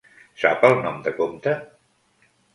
Sap el nom de compte?